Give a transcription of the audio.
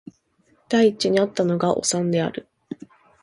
第一に逢ったのがおさんである